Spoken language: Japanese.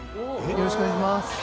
よろしくお願いします。